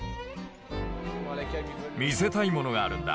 見せたいものがあるんだ。